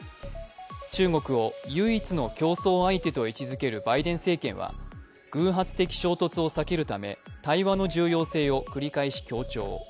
中国を、唯一の競争相手と位置づけるバイデン政権は偶発的衝突を避けるため対話の重要性を繰り返し強調。